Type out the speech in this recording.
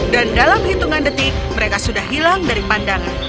dan dalam hitungan detik mereka sudah hilang dari pandangan